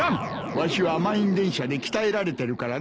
わしは満員電車で鍛えられてるからな。